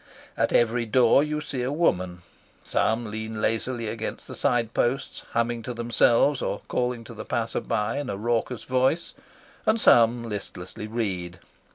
At every door you see a woman. Some lean lazily against the side posts, humming to themselves or calling to the passer by in a raucous voice, and some listlessly read.